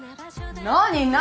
何何？